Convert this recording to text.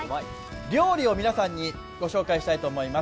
料理を皆さんにご紹介したいと思います。